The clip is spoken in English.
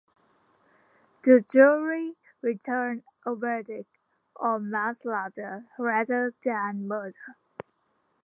The jury returned a verdict of manslaughter rather than murder.